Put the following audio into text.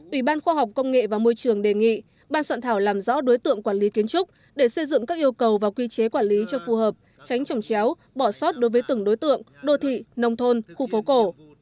ủy ban khoa học công nghệ và môi trường đề nghị ban soạn thảo làm rõ đối tượng quản lý kiến trúc để xây dựng các yêu cầu và quy chế quản lý cho phù hợp tránh trồng chéo bỏ sót đối với từng đối tượng đô thị nông thôn khu phố cổ